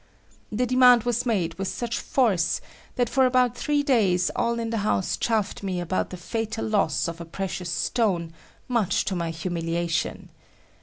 The demand was made with such force that for about three days all in the house chaffed me about the fatal loss of precious stone, much to my humiliation.